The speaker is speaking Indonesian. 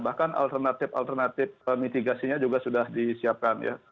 bahkan alternatif alternatif mitigasinya juga sudah disiapkan ya